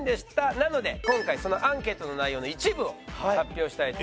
なので今回そのアンケートの内容の一部を発表したいと。